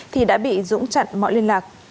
thì đã bị dũng chặn mọi liên lạc